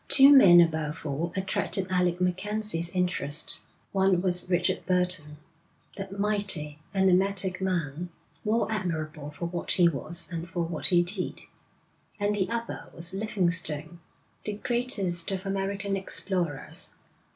Two men above all attracted Alec Mackenzie's interest. One was Richard Burton, that mighty, enigmatic man, more admirable for what he was than for what he did; and the other was Livingstone, the greatest of African explorers.